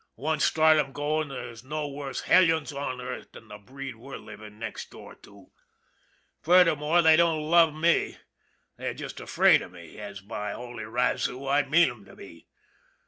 Once start 'em goin' an' there's no worse hellions on earth than the breed we're livin' next door to. Furthermore they don't love me they're just afraid of me as, by the holy razoo, I mean 'em to be.